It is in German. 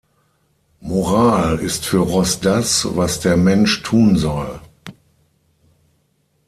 Moral ist für Ross das, was der Mensch tun soll.